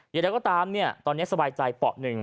อย่างนั้นก็ตามตอนนี้สบายใจป๋อหนึ่ง